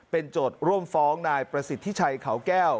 เป็นโจทย์ร่วมฟ้องนายประสิทธิชัยเขาแก้ว